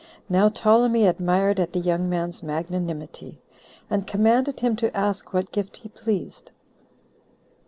Now Ptolemy admired at the young man's magnanimity, and commanded him to ask what gift he pleased.